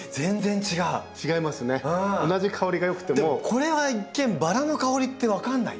これは一見バラの香りって分かんないよ。